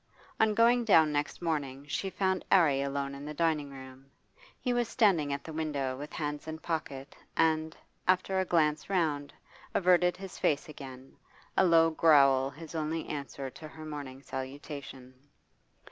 On going down next morning she found 'Arry alone in the dining room; he was standing at the window with hands in pocket, and, after a glance round, averted his face again, a low growl his only answer to her morning salutation.